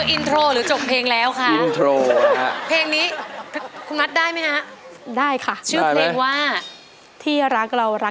อินโทรมาเลยครับเพลงที่๒มูลค่า๒๐๐๐๐บาทครับคุณผู้ชมอินโทรมาเลยครับ